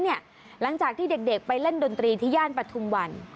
หลังจากที่เด็กไปเล่นดนตรีที่ย่านปฐุมวัน